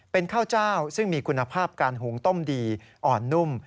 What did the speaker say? เป็นข้าวเจ้าซึ่งมีคุณภาพการหุงต้มดีอ่อนนุ่ม